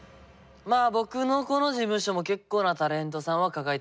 まあ僕のこの事務所も結構なタレントさんは抱えています。